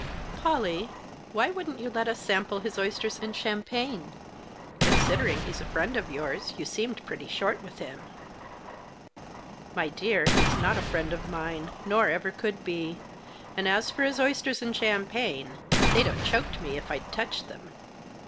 " Polly, why wouldn't you let us sample his oysters and champagne ? Considering he's a friend of yours, you seemed pretty short with him." " My dear, he's not a friend of mine, nor ever could be; and as for his oysters and champagne, they'd have choked me if I'd touched them."